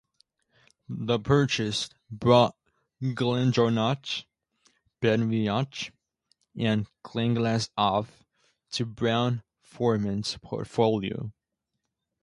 The purchase brought GlenDronach, BenRiach, and Glenglassaugh to Brown-Forman's portfolio.